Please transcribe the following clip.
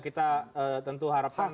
kita tentu harapkan